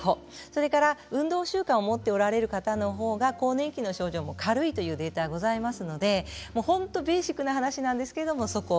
それから運動習慣を持っておられる方のほうが更年期の症状も軽いというデータがありますので本当にベーシックな話なんですけれども、そこ。